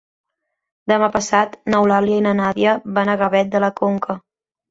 Demà passat n'Eulàlia i na Nàdia van a Gavet de la Conca.